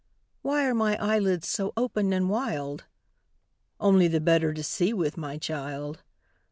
"Why are my eyelids so open and wild?" Only the better to see with, my child!